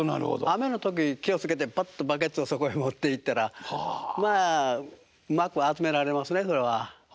雨の時気を付けてパッとバケツをそこへ持っていったらまあうまく集められますねそれは。